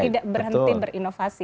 tidak berhenti berinovasi